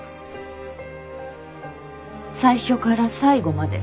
最初から最後まで。